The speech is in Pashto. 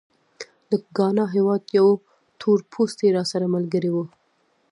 د ګانا هېواد یو تورپوستی راسره ملګری و.